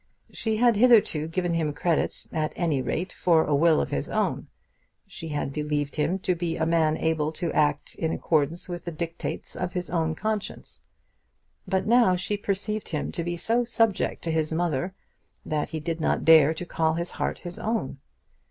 She had hitherto given him credit at any rate for a will of his own. She had believed him to be a man able to act in accordance with the dictates of his own conscience. But now she perceived him to be so subject to his mother that he did not dare to call his heart his own.